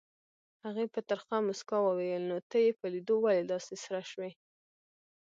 هغې په ترخه موسکا وویل نو ته یې په لیدو ولې داسې سره شوې؟